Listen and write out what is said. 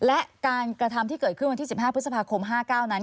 และการกระทำที่เกิดขึ้นวันที่๑๕พฤษภาคม๕๙นั้น